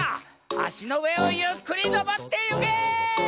あしのうえをゆっくりのぼってゆけ！